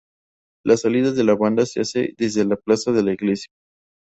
La salida de la banda se hace desde la plaza de la Iglesia.